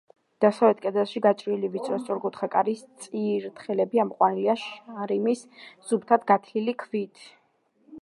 დასავლეთ კედელში გაჭრილი ვიწრო, სწორკუთხა კარის წირთხლები ამოყვანილია შირიმის სუფთად გათლილი ქვით.